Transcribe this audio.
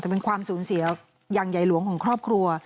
แต่เป็นความสูญเสียอย่างใหญ่หลวงของครอบครัว